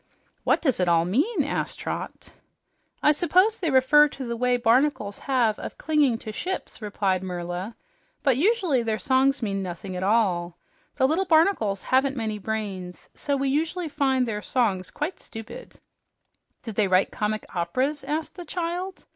"What does it all mean?" asked Trot. "I suppose they refer to the way barnacles have of clinging to ships," replied Merla, "but usually the songs mean nothing at all. The little barnacles haven't many brains, so we usually find their songs quite stupid." "Do they write some comic operas?" asked the child.